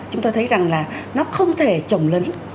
chúng tôi thấy rằng là nó không thể trồng lấn